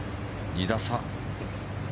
２打差。